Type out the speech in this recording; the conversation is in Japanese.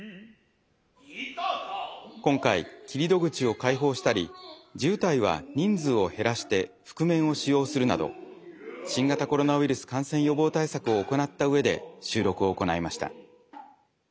今回切戸口を開放したり地謡は人数を減らして覆面を使用するなど新型コロナウイルス感染予防対策を行った上で収録を行いました。